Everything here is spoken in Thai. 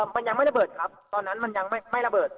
มันยังไม่ระเบิดครับตอนนั้นมันยังไม่ระเบิด